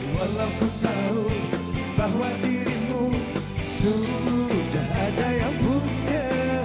walau ku tahu bahwa dirimu sudah ada yang punya